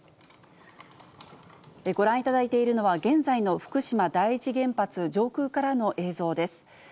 ご覧いただいているのは現在の福島第一原発上空からの映像です。